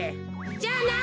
じゃあな！